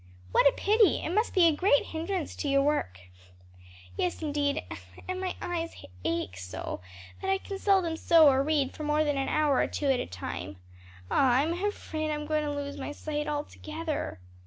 "What a pity! it must be a great hindrance to your work." "Yes, indeed, and my eyes ache so that I can seldom sew or read for more than an hour or two at a time. Ah, I'm afraid I'm going to lose my sight altogether."